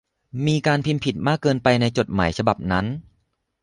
มีการพิมพ์ผิดมากเกินไปในจดหมายฉบับนั้น